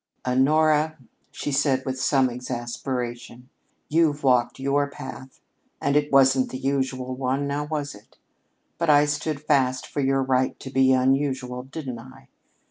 "Honora," she said with some exasperation, "you've walked your path, and it wasn't the usual one, now, was it? But I stood fast for your right to be unusual, didn't I?